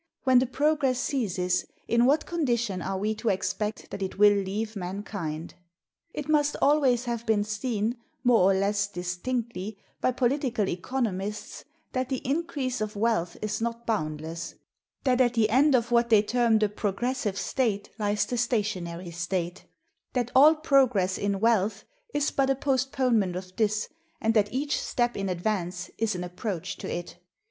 When the progress ceases, in what condition are we to expect that it will leave mankind? It must always have been seen, more or less distinctly, by political economists, that the increase of wealth is not boundless; that at the end of what they term the progressive state lies the stationary state, that all progress in wealth is but a postponement of this, and that each step in advance is an approach to it.